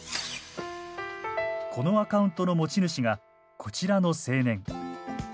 このアカウントの持ち主がこちらの青年。